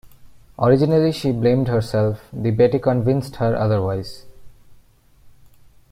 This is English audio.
Originally, she blamed herself, but Betty convinced her otherwise.